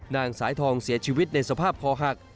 นางสายทองเสียชีวิตในสภาพคอหัก